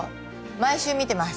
毎週見てます